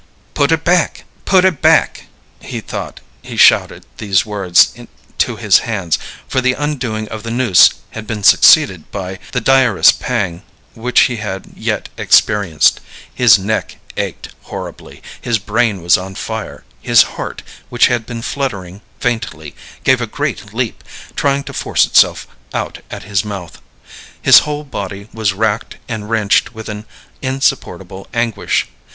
"Put it back, put it back!" He thought he shouted these words to his hands, for the undoing of the noose had been succeeded by the direst pang which he had yet experienced. His neck ached horribly; his brain was on fire; his heart, which had been fluttering faintly, gave a great leap, trying to force itself out at his mouth. His whole body was racked and wrenched with an insupportable anguish!